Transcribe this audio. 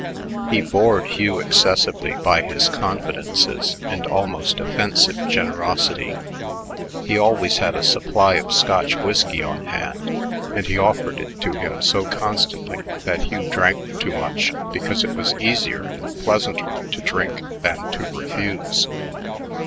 He bored Hugh excessively by his confidences and almost offensive generosity. He always had a supply of Scotch whisky on hand, and he offered it to him so constantly that Hugh drank too much because it was easier and pleasanter to drink than to refuse.